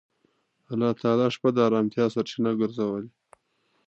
الله تعالی شپه د آرامتیا سرچینه ګرځولې.